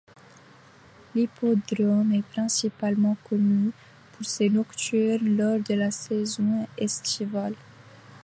L'Hippodrome est principalement connu pour ses nocturnes lors de la saison estivale.